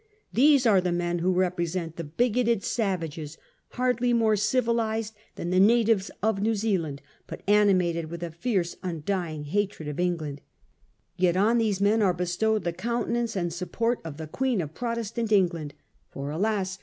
' These are the men who represent the bigoted savages, hardly more civilised than the natives of 22 A HISTORY OF OUR OWN TIMES. ch. r. New Zealand, but animated with a fierce, undying hatred of England. Yet on these men are bestowed the countenance and support of the Queen of Pro testant England. For, alas